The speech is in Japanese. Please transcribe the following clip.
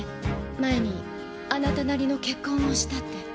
前にあなたなりの結婚をしたって。